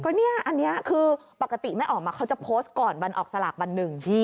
ก็เนี่ยอันนี้คือปกติแม่อ๋อมเขาจะโพสต์ก่อนวันออกสลากวันหนึ่ง